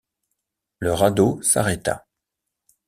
Le radeau s’arrêta.